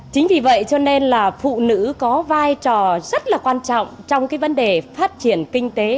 chính vì vậy cho nên là phụ nữ có vai trò rất là quan trọng trong cái vấn đề phát triển kinh tế